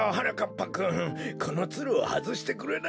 ぱくんこのツルをはずしてくれないかい？